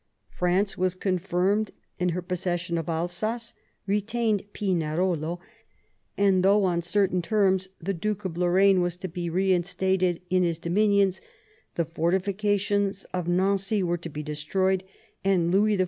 France was confirmed in her possession of Alsace, retained Pinerolo, and though on certain terms the Duke of Lorraine was to be reinstated in his dominions, the fortifications of Nancy were to be destroyed, and Louis XIV.